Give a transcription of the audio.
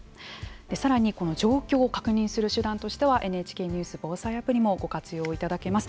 さらに、この状況を確認する手段としては「ＮＨＫニュース・防災アプリ」もご活用いただけます。